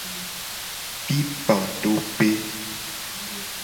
Pipadope.